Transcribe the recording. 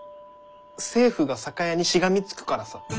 政府が酒屋にしがみつくからさ。